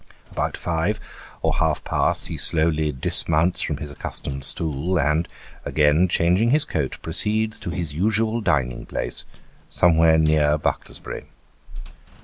About five, or half past, he slowly dismounts from his accustomed stool, and again changing his coat, proceeds to his usual dining place, somewhere near Bucklersbury.